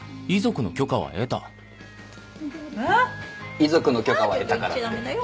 遺族の許可は得たからって。